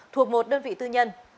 thuộc một đơn vị tư nhân